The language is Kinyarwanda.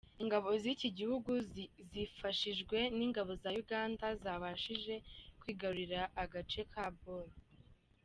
Ingabo z’iki gihugu zifashijwe n’ingabo za Uganda zabashije kwigarurira agace ka Bor.